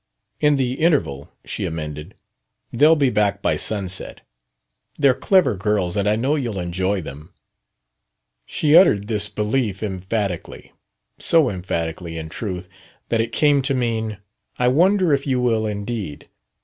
" in the interval," she amended. "They'll be back by sunset. They're clever girls and I know you'll enjoy them." She uttered this belief emphatically so emphatically, in truth, that it came to mean: "I wonder if you will indeed."